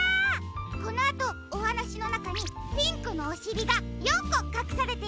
このあとおはなしのなかにピンクのおしりが４こかくされているよ。